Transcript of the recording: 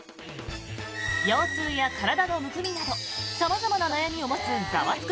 腰痛や体のむくみなど様々な悩みを持つ「ザワつく！」